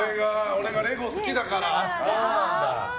俺がレゴ好きだから。